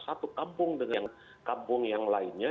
satu kampung dengan kampung yang lainnya